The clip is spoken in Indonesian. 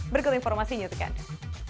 berikut informasinya di kanan